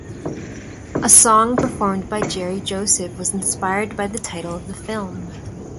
A song performed by Jerry Joseph was inspired by the title of the film.